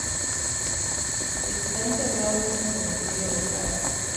Está enterrado en el cementerio local.